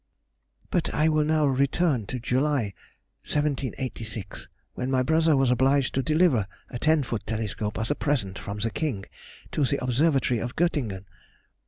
But I will now return to July, 1786, when my brother was obliged to deliver a ten foot telescope as a present from the King to the Observatory of Göttingen.